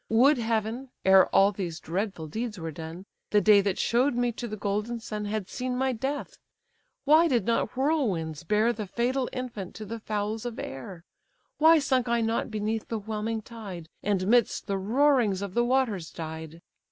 Would heaven, ere all these dreadful deeds were done, The day that show'd me to the golden sun Had seen my death! why did not whirlwinds bear The fatal infant to the fowls of air? Why sunk I not beneath the whelming tide, And midst the roarings of the waters died?